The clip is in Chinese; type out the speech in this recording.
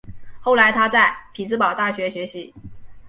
后来他在匹兹堡大学学习。